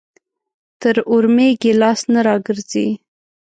تر اورمېږ يې لاس نه راګرځي.